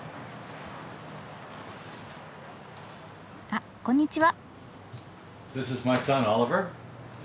あっこんにちは。